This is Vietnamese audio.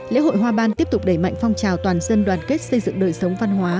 lễ hội hoa ban tiếp tục đẩy mạnh phong trào toàn dân đoàn kết xây dựng đời sống văn hóa